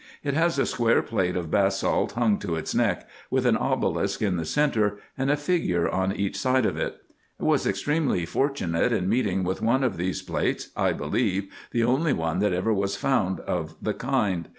It has a square plate of basalt hung to its neck, with an obelisk in the centre, and a figure on each side of it. I was extremely fortunate in meeting with one of these plates, I believe the only one that ever was found of the kind.